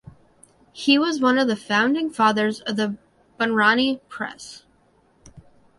He was one of the founding fathers of the Bahraini press.